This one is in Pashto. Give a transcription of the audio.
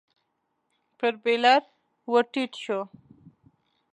پر بېلر ور ټيټ شو.